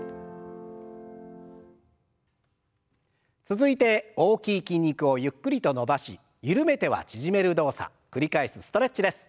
続いて大きい筋肉をゆっくりと伸ばし緩めては縮める動作繰り返すストレッチです。